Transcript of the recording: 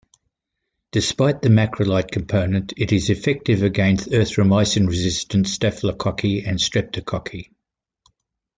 Despite the macrolide component, it is effective against erythromycin-resistant staphylococci and strepcococci.